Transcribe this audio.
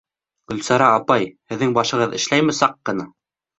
Гөлсара апай, һеҙҙең башығыҙ эшләйме саҡ ҡына?!